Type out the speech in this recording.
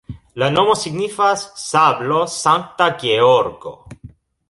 La nomo signifas: sablo-Sankta Georgo.